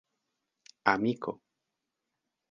amiko